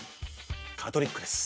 カトリックです。